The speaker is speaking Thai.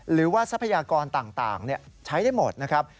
ทรัพยากรต่างใช้ได้หมดนะครับ